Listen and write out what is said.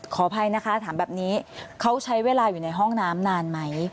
ขออภัยนะคะถามแบบนี้เขาใช้เวลาอยู่ในห้องน้ำนานไหม